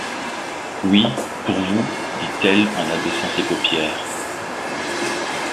Oui, pour vous, dit-elle en abaissant ses paupières.